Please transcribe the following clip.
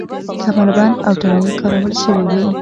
کمربند او تڼۍ کارول شوې وې.